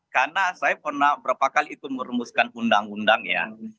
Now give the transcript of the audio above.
karena saya pernah berapa kali itu meremuskan undang undang ya